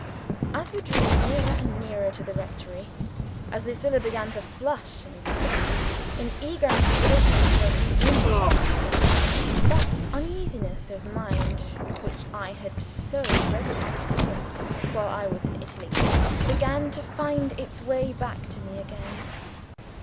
As we drew nearer and nearer to the rectory, as Lucilla began to flush and fidget in eager anticipation of her re union with Oscar, that uneasiness of mind which I had so readily dismissed while I was in Italy, began to find its way back to me again.